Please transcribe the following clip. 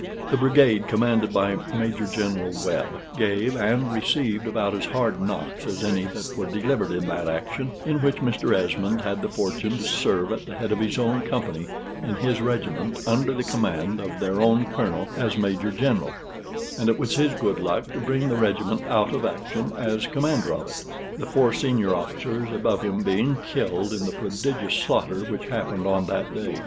The brigade commanded by Major General Webb gave and received about as hard knocks as any that were delivered in that action, in which Mr. Esmond had the fortune to serve at the head of his own company in his regiment, under the command of their own Colonel as Major General; and it was his good luck to bring the regiment out of action as commander of it, the four senior officers above him being killed in the prodigious slaughter which happened on that day.